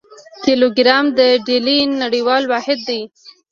کیلوګرام د ډلي نړیوال واحد دی.